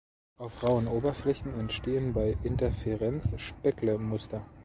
Auf rauen Oberflächen entstehen bei Interferenz Speckle-Muster.